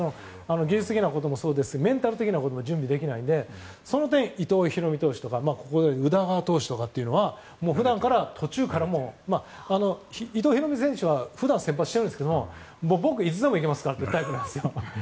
技術的なこともそうですしメンタル的なことも準備できないし伊藤大海投手とか宇田川投手とか普段から、途中からも伊藤大海選手は普段先発しているんですけど僕いつでも行けるからって言ってたんです。